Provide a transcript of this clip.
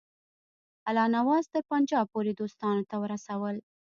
الله نواز تر پنجاب پوري دوستانو ته ورسول.